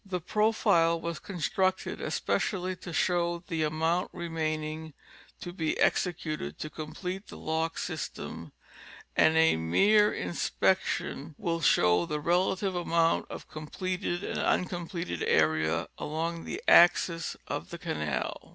The profile was constructed especially to show the amount remaining to be executed to complete the lock system, and a mere inspection will. A Trip to Panama and Darien. 313 show the relative amount of completed and uncompleted area along the axis of the canal.